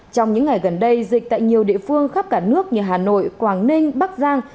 trong những ngày gần đây dịch tại nhiều địa phương khắp cả nước như hà nội quảng ninh bắc giang